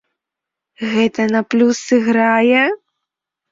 Гэта на плюс сыграе?